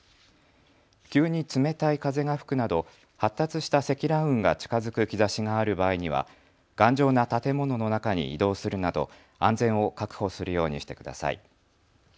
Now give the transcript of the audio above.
急に冷たい風が吹くなど発達した積乱雲が近づく兆しがある場合には頑丈な建物の中に移動するなど安全を確保するようにしてください。